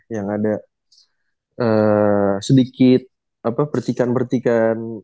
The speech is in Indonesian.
yang ada sedikit pertikan pertikan